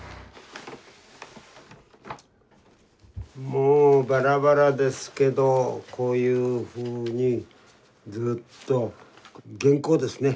もうバラバラですけどこういうふうにずっと原稿ですね